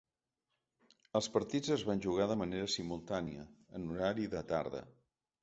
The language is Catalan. Els partits es van jugar de manera simultània, en horari de tarda.